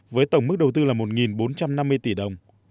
với tổng mức đầu tư là một bốn trăm năm mươi tỷ đồng